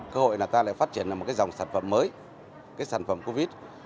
cơ hội là ta lại phát triển một dòng sản phẩm mới cái sản phẩm covid